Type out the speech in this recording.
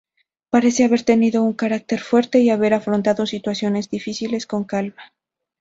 Parece haber tenido un carácter fuerte y haber afrontado situaciones difíciles con calma.